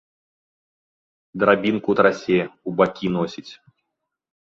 Драбінку трасе, у бакі носіць.